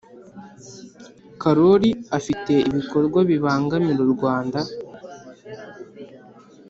karori afite ibikorwa bibangamira u rwanda